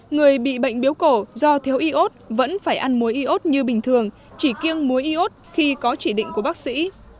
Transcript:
người bị bệnh biếu cổ do thiếu y ốt vẫn phải ăn muối y ốt như bình thường chỉ kiêng muối y ốt khi có chỉ định của bác sĩ